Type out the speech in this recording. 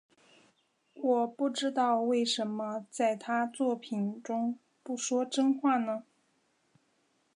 我不知道为什么在他作品中不说真话呢？